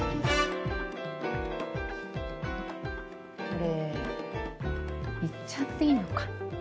これ言っちゃっていいのかな。